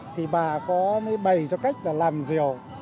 thì bà có mới bày cho cách là làm rìu